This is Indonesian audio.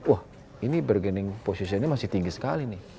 wah ini bergening positionnya masih tinggi sekali nih